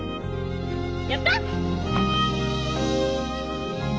やった！